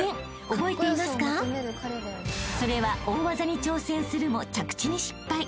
［それは大技に挑戦するも着地に失敗］